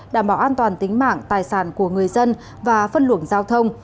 đảm bảo an toàn tính mạng tài sản của người dân và phân luồng giao thông